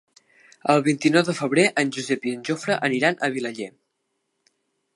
El vint-i-nou de febrer en Josep i en Jofre aniran a Vilaller.